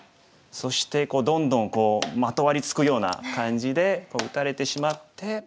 そしてどんどんまとわりつくような感じでこう打たれてしまって。